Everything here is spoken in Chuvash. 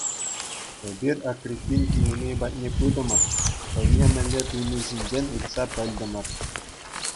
Эпир Акриппин кинемей патне пытӑмӑр, хӑйне мӗнле туйни ҫинчен ыйтса пӗлтӗмӗр.